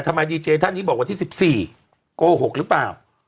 ทำไมดีเจมส์ท่านนี่บอกว่าที่๑๔กโหคหรือเปล่า